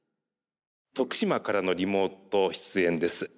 徳島からのリモート出演です。